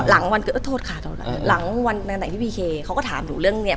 หลังวันโทษค่ะหลังวันตั้งแต่พี่พีเคเขาก็ถามหนูเรื่องเนี่ย